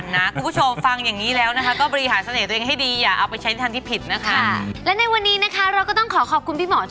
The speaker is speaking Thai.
ถ้าพูดถึงในช่วงสัปดาห์นี้นะครับแล้วก็จนถึง๓เดือนเนี่ย